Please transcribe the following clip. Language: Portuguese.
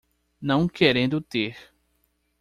Não querendo ter